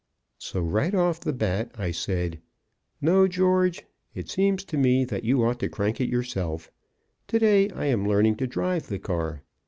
So, right off the bat, I said: "No, George. It seems to me that you ought to crank it yourself. To day I am learning to drive the car.